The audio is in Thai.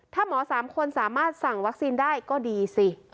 ถ้าหมอ๓คนสามารถสั่งวัคซีนได้ก็ดีสิ